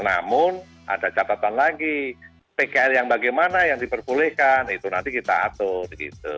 namun ada catatan lagi pkl yang bagaimana yang diperbolehkan itu nanti kita atur gitu